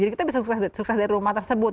jadi kita bisa sukses dari rumah tersebut